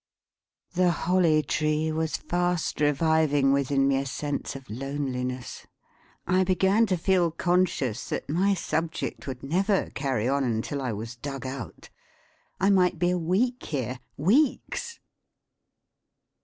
The Holly Tree was fast reviving within me a sense of loneliness. I began to feel conscious that my subject would never carry on until I was dug out. I might be a week here, weeks!